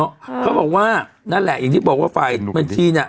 เนอะเขาบอกว่านั่นแหละอย่างที่บอกว่าไฟล์เมืองชีนอ่ะ